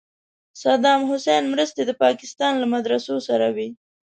صدام حسین مرستې د پاکستان له مدرسو سره وې.